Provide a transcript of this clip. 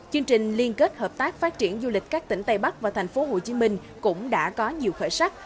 chương trình liên kết hợp tác phát triển du lịch các tỉnh tây bắc và tp hcm cũng đã có nhiều khởi sắc